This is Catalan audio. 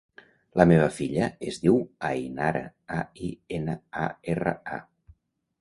La meva filla es diu Ainara: a, i, ena, a, erra, a.